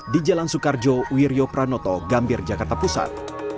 di jalan soekarjo wirjo pranoto gambir jakarta pusat